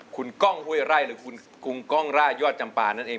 คุณก้องห้วยไร่หรือคุณกุ้งกล้องร่ายอดจำปานั่นเอง